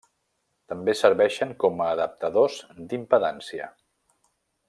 També serveixen com a adaptadors d'impedància.